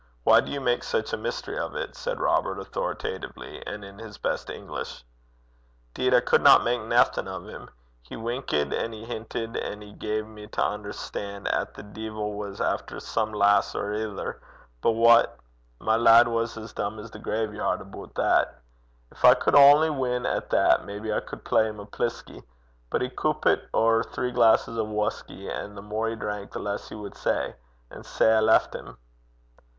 Why do you make such a mystery of it?' said Robert, authoritatively, and in his best English. ''Deed I cudna mak naething o' 'm. He winkit an' he mintit (hinted) an' he gae me to unnerstan' 'at the deevil was efter some lass or ither, but wha my lad was as dumb 's the graveyard about that. Gin I cud only win at that, maybe I cud play him a plisky. But he coupit ower three glasses o' whusky, an' the mair he drank the less he wad say. An' sae I left him.'